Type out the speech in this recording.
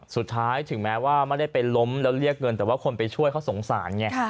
สุดท้ายถึงแม้ว่าไม่ได้ไปล้มแล้วเรียกเงินแต่ว่าคนไปช่วยเขาสงสารไง